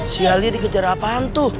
si ali dikejar apaan tuh